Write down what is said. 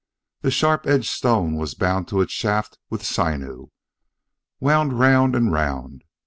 The sharp edged stone was bound to its shaft with sinew, wound round and round.